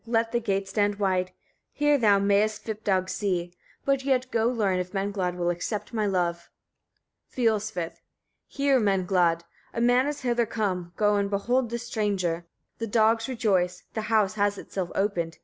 Let the gate stand wide; here thou mayest Svipdag see; but yet go learn if Menglod will accept my love. Fiolsvith. 45. Hear, Menglod! A man is hither come: go and behold the stranger; the dogs rejoice; the house has itself opened.